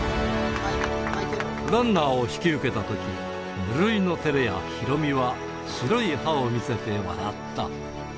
ランナーを引き受けたとき、無類の照れ屋、ヒロミは白い歯を見せて笑った。